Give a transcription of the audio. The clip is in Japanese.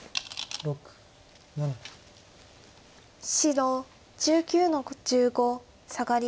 白１９の十五サガリ。